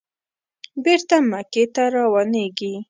بېرته مکې ته روانېږي.